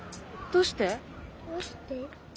どうして？